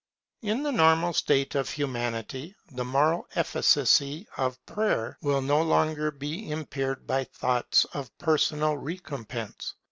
In the normal state of Humanity, the moral efficacy of Prayer will no longer be impaired by thoughts of personal recompense.